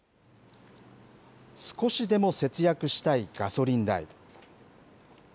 少しでも節約したいガソリン代。